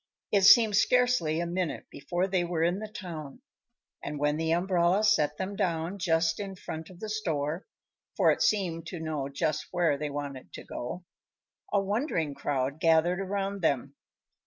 It seemed scarcely a minute before they were in the town, and when the umbrella set them down just in front of the store for it seemed to know just where they wanted to go a wondering crowd gathered around them.